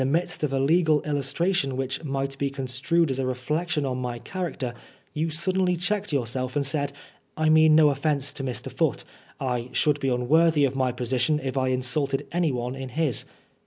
midst of a legal illustration which might be construed as a reflection on my character, you suddenly checked yourself, and said, * I mean no offence to Mr. Foote. I should be unworthy of my position if I insulted anyone in his.